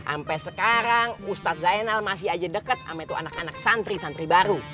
sampai sekarang ustadz zainal masih aja deket sama itu anak anak santri santri baru